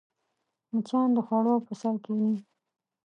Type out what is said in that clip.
مچان د خوړو پر سر کښېني